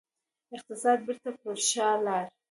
اقتصاد بیرته پر شا لاړ.